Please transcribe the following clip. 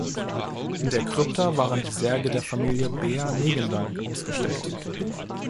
In der Krypta waren die Särge der Familie Behr-Negendank ausgestellt.